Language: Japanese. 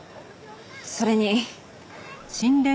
それに。